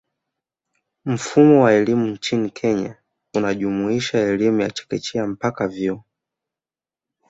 Mfumo wa elimu nchini Kenya unajumuisha elimu ya chekechea mpaka vyuo